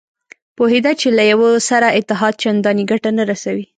پوهېده چې له یوه سره اتحاد چندانې ګټه نه رسوي.